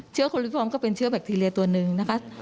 เชื้อแบคทีเรียแบคทีเรียตัวนึง